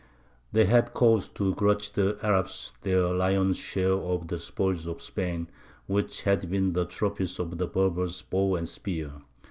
They had cause to grudge the Arabs their lion's share of the spoils of Spain, which had been the trophies of the Berbers' bow and spear.